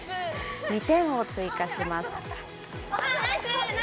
２点を追加します。